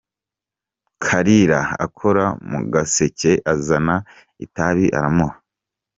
" Kalira akora mu gaseke azana itabi aramuha.